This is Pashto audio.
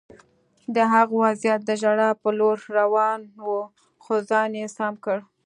د هغه وضعیت د ژړا په لور روان و خو ځان یې سم کړ